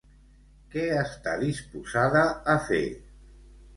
Què està disposada a fer?